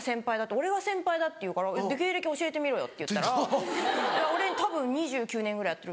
俺が先輩だ」って言うから「芸歴教えてみろよ」って言ったら「俺たぶん２９年ぐらいやってる」。